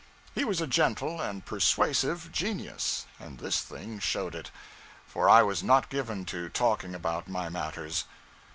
He was a gentle and persuasive genius, and this thing showed it; for I was not given to talking about my matters.